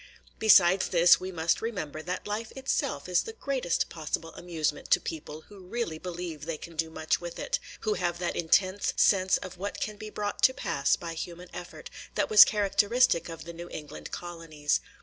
Besides this, we must remember that life itself is the greatest possible amusement to people who really believe they can do much with it, – who have that intense sense of what can be brought to pass by human effort, that was characteristic of the New England colonies.